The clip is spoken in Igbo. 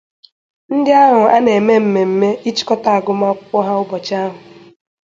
ndị ahụ a na-eme mmemme ịchịkọta agụmakwụkwọ ha ụbọchị ahụ